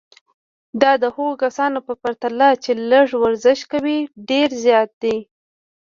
دا د هغو کسانو په پرتله چې لږ ورزش کوي ډېر زیات دی.